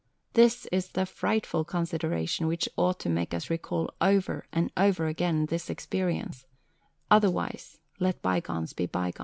This is the frightful consideration which ought to make us recall over and over again this experience otherwise, let bygones be bygones."